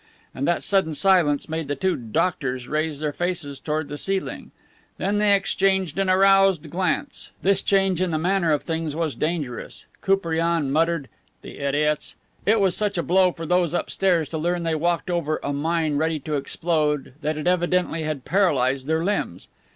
And that sudden silence made the two "doctors" raise their faces toward the ceiling. Then they exchanged an aroused glance. This change in the manner of things above was dangerous. Koupriane muttered, "The idiots!" It was such a blow for those upstairs to learn they walked over a mine ready to explode that it evidently had paralyzed their limbs.